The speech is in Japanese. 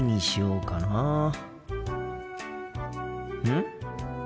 うん？